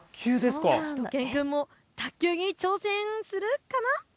しゅと犬くんも卓球に挑戦するかな？